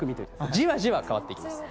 じわじわ変わってきます。